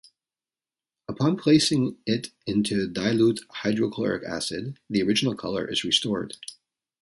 Upon placing it into dilute hydrochloric acid the original color is restored.